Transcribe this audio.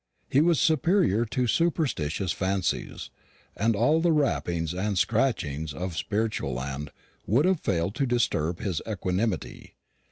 He was superior to superstitious fancies, and all the rappings and scratchings of spirit land would have failed to disturb his equanimity.